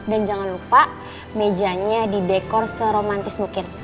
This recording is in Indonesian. dan jangan lupa mejanya didekor seromantis mungkin